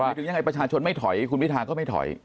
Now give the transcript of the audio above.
ถึงยังไงประชาชนไม่ถอยคุณพิธาก็ไม่ถอย